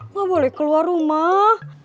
nggak boleh keluar rumah